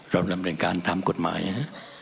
เรามันเป็นการทำกฎหมายนะฮะ